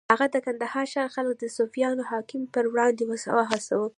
هغه د کندهار ښار خلک د صفویانو حاکمیت پر وړاندې وهڅول.